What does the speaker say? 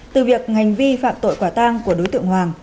từ việc hành vi phạm tội quả tang của đối tượng hoàng